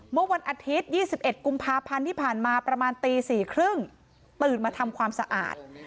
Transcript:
เมื่อวันอาทิตย์๒๑กุมภาพันธ์ที่ผ่านมาประมาณตี๔๓๐ตื่นมาทำความสะอาด